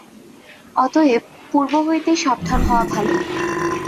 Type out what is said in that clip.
অতএব পূর্ব হইতেই সাবধান হওয়া ভাল।